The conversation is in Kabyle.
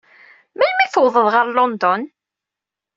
Melmi ay tuwḍed ɣer London?